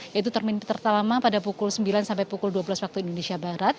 yaitu terminal pertama pada pukul sembilan sampai pukul dua belas waktu indonesia barat